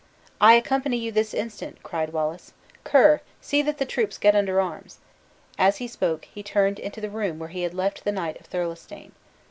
"I accompany you this instant," cried Wallace! "Ker, see that the troops get under arms." As he spoke he turned into the room where he had left the Knight of Thirlestane.